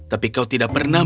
tapi kau tidak pernah